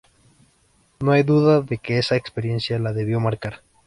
No hay duda de que esa experiencia la debió marcar.